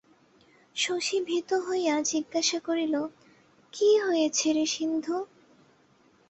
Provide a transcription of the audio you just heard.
শশী ভীত হইয়া জিজ্ঞাসা করিল, কী হয়েছে রে সিন্ধু?